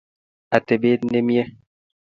Atebet nemie